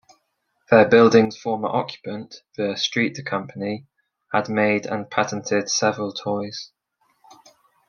Their building's former occupant, the Streater Company, had made and patented several toys.